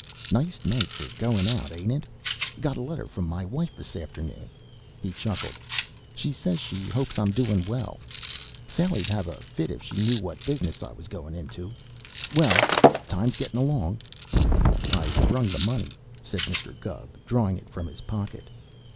Nice night for goin' out, ain't it? Got a letter from my wife this aft'noon," he chuckled. "She says she hopes I'm doin' well. Sally'd have a fit if she knew what business I was goin' into. Well, time's gettin' along " "I brung the money," said Mr. Gubb, drawing it from his pocket.